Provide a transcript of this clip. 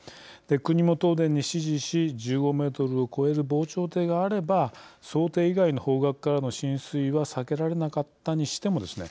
国も東電に指示し１５ｍを超える防潮堤があれば想定以外の方角からの浸水は避けられなかったにしてもですね